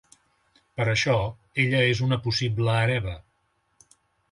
Per això, ella és una possible hereva.